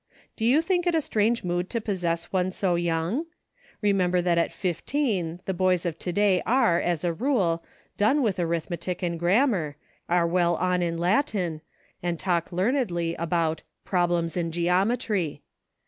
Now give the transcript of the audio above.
Do you think it a strange mood to possess one so young } Remember that at fifteen the boys of to day are, as a rule, done with arithmetic and grammar, are well on in Latin, and talk learnedly about " problems in geometry."